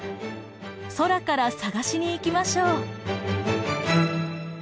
空から探しに行きましょう！